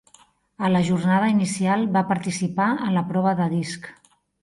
A la jornada inicial, va participar en la prova de disc.